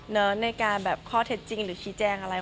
ในการแบบข้อเท็จจริงหรือชี้แจงอะไร